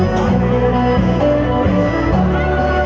สวัสดี